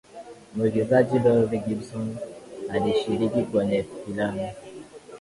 mwigizaji dorothy gibson alishirikishwa kwenye filamu